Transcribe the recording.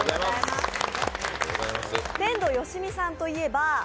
天童よしみさんといえば、